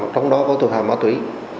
trong đó có tội phạm ma túy